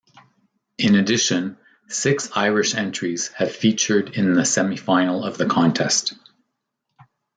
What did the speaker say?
In addition, six Irish entries have featured in the semi-final of the Contest.